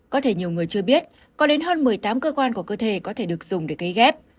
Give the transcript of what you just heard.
có thể nhiều người chưa biết có đến hơn một mươi tám cơ quan của cơ thể có thể được dùng để gây ghép